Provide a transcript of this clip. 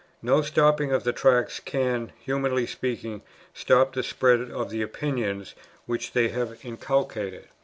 No stopping of the Tracts can, humanly speaking, stop the spread of the opinions which they have inculcated.